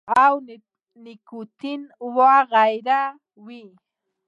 او نيکوټین وغېره وي -